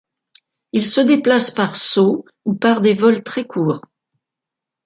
Il se déplace par sauts ou par des vols très courts.